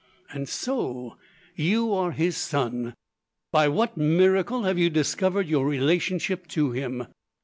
"And so, you are his son! By what miracle have you discovered your relationship to him?"